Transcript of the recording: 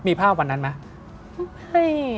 มีภาพวันนั้นไหม